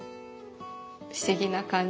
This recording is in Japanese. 不思議な感じ。